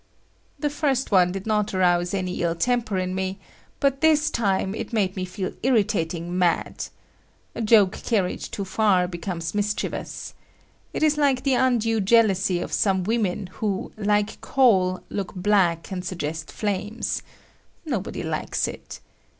The first one did not arouse any ill temper in me, but this time it made me feel irritating mad. A joke carried too far becomes mischievous. It is like the undue jealousy of some women who, like coal, look black and suggest flames. Nobody likes it.